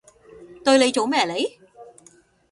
對你做咩嚟？